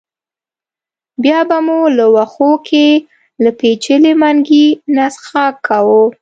بیا به مو له وښو کې له پېچلي منګي نه څښاک کاوه.